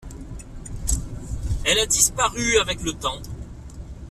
Elle a disparu avec le temps.